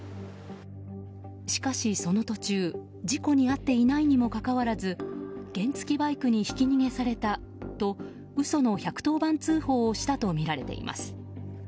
しかし、その途中事故に遭っていないにもかかわらず原付きバイクにひき逃げされたと嘘の１１０番通報をしたとみられています。